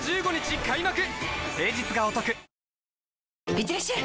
いってらっしゃい！